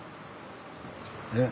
え？